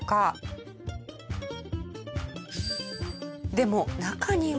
でも中には。